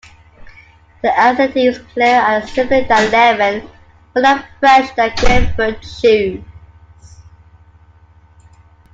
The acidity is clearer and simpler than lemon, more fresh than grape verjuice.